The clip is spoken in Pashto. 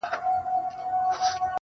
فېشن د هر نوي دور جامه ده -